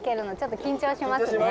「緊張しますね。